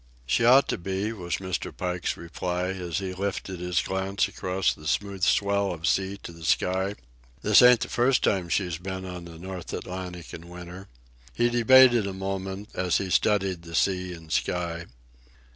"She ought to be," was Mr. Pike's reply as he lifted his glance across the smooth swell of sea to the sky. "This ain't the first time she's been on the North Atlantic in winter." He debated a moment, as he studied the sea and sky.